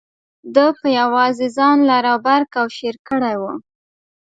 ده په یوازې ځان لر او بر کوشیر کړی و.